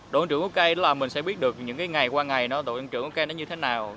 độ năng trưởng của cây là mình sẽ biết được những ngày qua ngày độ năng trưởng của cây như thế nào